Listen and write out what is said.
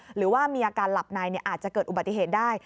หรือว่ามีอาการหลับในอาจจะเกิดอุบัติเหตุได้